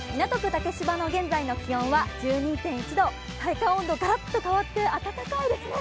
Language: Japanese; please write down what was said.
竹芝の現在の気温は１２．１度、体感温度、ガラッと変わって暖かいですね。